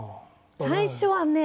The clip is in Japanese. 「最初はね